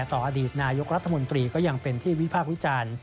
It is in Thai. อดีตนายกรัฐมนตรีก็ยังเป็นที่วิพากษ์วิจารณ์